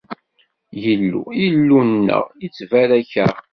Illu, Illu-nneɣ, ittbarak-aɣ.